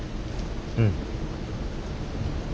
うん。